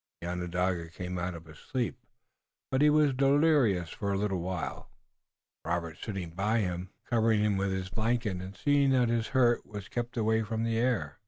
The Onondaga came out of his sleep, but he was delirious for a little while, Robert sitting by him, covering him with his blanket and seeing that his hurt was kept away from the air.